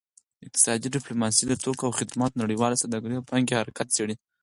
اقتصادي ډیپلوماسي د توکو او خدماتو نړیواله سوداګرۍ او پانګې حرکت څیړي